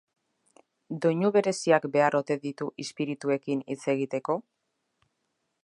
Doinu bereziak behar ote ditu izpirituekin hitz egiteko?